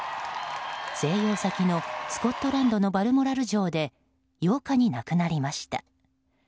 静養先のスコットランドのバルモラル城で８日に亡くなりました。